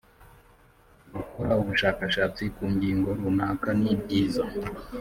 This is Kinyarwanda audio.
gukora ubushakashatsi ku ngingo runaka nibyiza